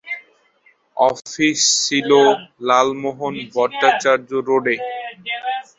Office ছিল লালমোহন ভট্টাচার্য রোডে।